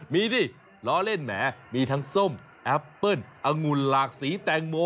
มีดิล้อเล่นแหมมีทั้งส้มแอปเปิ้ลองุ่นหลากสีแตงโม